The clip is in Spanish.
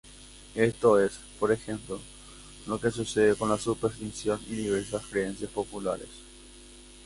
Esto es, por ejemplo, lo que sucede con la superstición y diversas creencias populares.